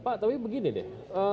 pak tapi begini deh